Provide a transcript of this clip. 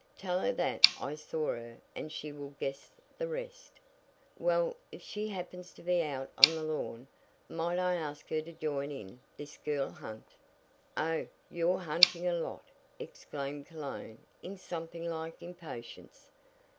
Tell her that I saw her and she will guess the rest." "Well, if she happens to be out on the lawn, might I ask her to join in this girl hunt?" "Oh, you're hunting a lot!" exclaimed Cologne in something like impatience.